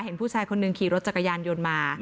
เห็นผู้ชายคนหนึ่งขี่รถจักรยานยนต์มา